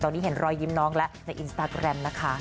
ตอนนี้เห็นรอยยิ้มน้องแล้วในอินสตาแกรมนะคะ